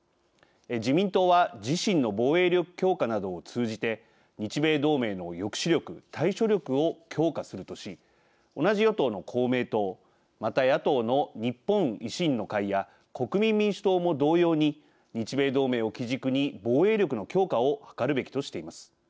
自民党は自身の防衛力強化などを通じて日米同盟の抑止力・対処力を強化するとし同じ与党の公明党また、野党の日本維新の会や国民民主党も同様に日米同盟を基軸に防衛力の強化を図るべきとしています。